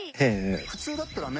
普通だったらね